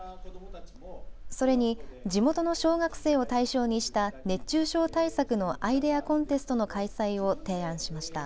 それに地元の小学生を対象にした熱中症対策のアイデアコンテストの開催を提案しました。